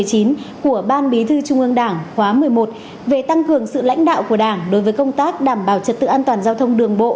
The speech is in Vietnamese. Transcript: của ban bí thư trung ương đảng khóa một mươi một về tăng cường sự lãnh đạo của đảng đối với công tác đảm bảo trật tự an toàn giao thông đường bộ